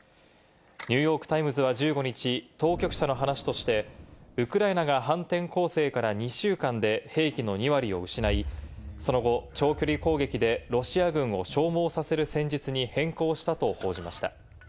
ニューヨーク・タイムズは１５日、当局者の話として、ウクライナが反転攻勢から２週間で兵器の２割を失い、その後、長距離攻撃でロシア軍を消耗させる戦術に変更したと報じました。